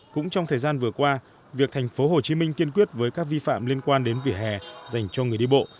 cũng trong thời gian vừa qua việc thành phố hồ chí minh kiên quyết với các vi phạm liên quan đến vỉa hè dành cho người đi bộ